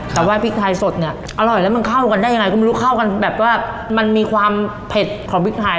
แต่ว่าพริกไทยสดเนี่ยอร่อยแล้วมันเข้ากันได้ยังไงก็ไม่รู้เข้ากันแบบว่ามันมีความเผ็ดของพริกไทย